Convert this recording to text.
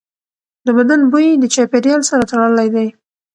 د بدن بوی د چاپېریال سره تړلی دی.